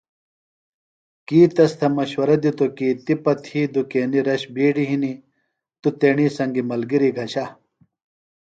کی تس تھےۡ مشورہ دِتو کی تی پہ تھی دُکینیۡ رش بِیڈیۡ ہِنیۡ تُوۡ تیݨی سنگیۡ ملگِریۡ گھشہ